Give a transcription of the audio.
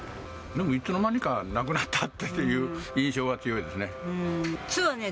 いつの間にかなくなったって印象が強いですね。